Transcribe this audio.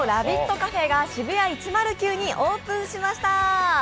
カフェがＳＨＩＢＵＹＡ１０９にオープンしました。